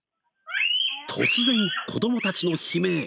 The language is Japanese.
突然子供たちの悲鳴。